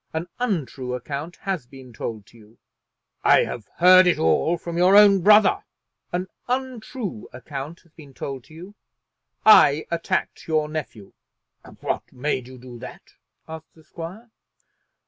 An untrue account has been told to you." "I have heard it all from your own brother." "An untrue account has been told to you. I attacked your nephew." "What made you do that?" asked the squire.